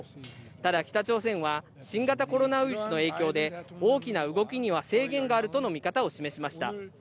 ただ、北朝鮮は新型コロナウイルスの影響で大きな動きには制限があるとの見方を示しました。